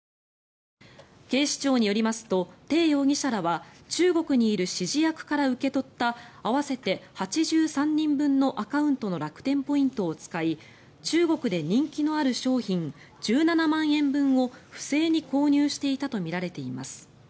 警視庁によりますとテイ容疑者らは中国にいる指示役から受け取った合わせて８３人分のアカウントの楽天ポイントを使い中国で人気のある商品１７万円分を不正に購入していたとみられています。